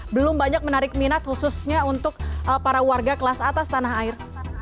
belum banyak menarik minat khususnya untuk para warga kelas atas tanah air